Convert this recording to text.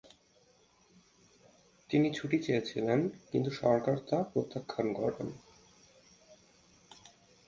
তিনি ছুটি চেয়েছিলেন কিন্তু সরকার তা প্রত্যাখ্যান করেন।